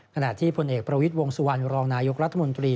ขณะที่ผลเอกประวิทย์วงสุวรรณรองนายกรัฐมนตรี